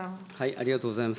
ありがとうございます。